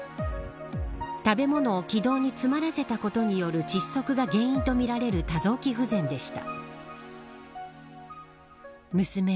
食べ物を気道に詰まらせたことによる窒息が原因とみられる多臓器不全でした。